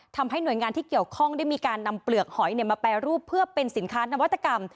ทำให้หน่วยงานที่เกี่ยวข้องได้มีการนำเปลือกหอยมาแปรรูปเพื่อเป็นสินค้านวัตกรรม